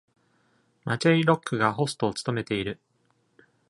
マチェイ・ロックがホストを務めている。